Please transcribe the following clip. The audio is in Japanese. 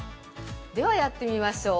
では、やってみましょう。